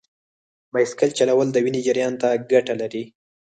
بایسکل چلول د وینې جریان ته ګټه لري.